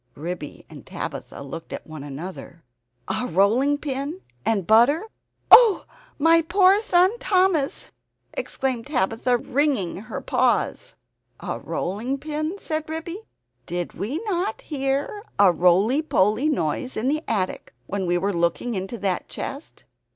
Ribby and Tabitha looked at one another. "A rolling pin and butter! Oh, my poor son Thomas!" exclaimed Tabitha, wringing her paws. "A rolling pin?" said Ribby. "Did we not hear a roly poly noise in the attic when we were looking into that chest?"